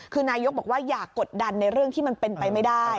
คือนายกบอกว่าอย่ากดดันในเรื่องที่มันเป็นไปไม่ได้